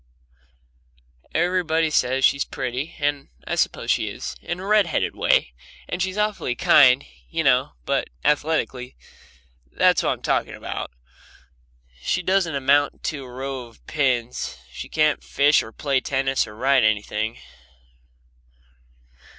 Everybody says she's pretty, and I suppose she is, in a red headed way, and she's awfully kind, you know, but athletically that's what I'm talking about she doesn't amount to a row of pins. She can't fish or play tennis or ride or anything.